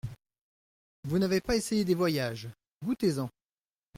Vous n'avez pas essayé des voyages : goûtez-en.